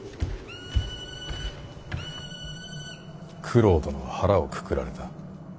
九郎殿は腹をくくられた。